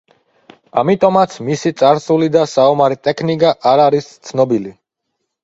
ამიტომაც მისი წარსული და საომარი ტექნიკა არ არის ცნობილი.